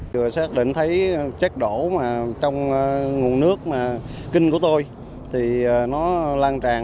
vừa xác định thấy chất đổ mà trong nguồn nước kinh của tôi thì nó lan tràn